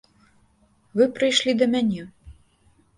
Вы прыйшлі да мяне.